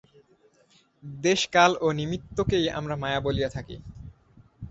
দেশ কাল ও নিমিত্তকেই আমরা মায়া বলিয়া থাকি।